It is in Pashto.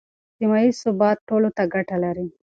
سیمه ییز ثبات ټولو ته ګټه لري.